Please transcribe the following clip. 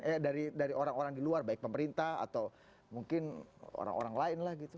eh dari orang orang di luar baik pemerintah atau mungkin orang orang lain lah gitu